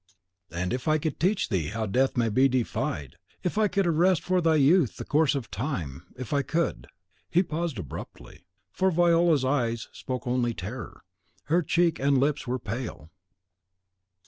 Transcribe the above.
"And if I could teach thee how Death may be defied; if I could arrest for thy youth the course of time; if I could " He paused abruptly, for Viola's eyes spoke only terror; her cheek and lips were pale.